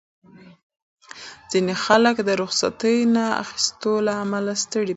ځینې خلک د رخصتۍ نه اخیستو له امله ستړي پاتې کېږي.